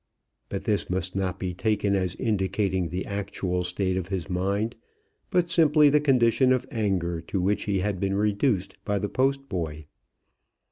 But this must not be taken as indicating the actual state of his mind; but simply the condition of anger to which he had been reduced by the post boy.